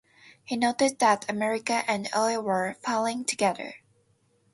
He noted that America and oil were falling together.